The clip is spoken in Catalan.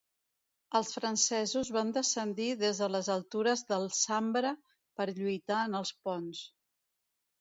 Els francesos van descendir des de les altures del Sambre per lluitar en els ponts.